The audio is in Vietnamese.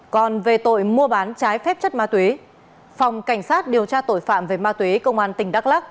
còn về tội mua bán trái phép chất ma túy phòng cảnh sát điều tra tội phạm về ma túy công an tỉnh đắk lắc